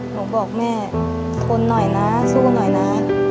บอกแม่ทนหน่อยนะสู้หน่อยนะ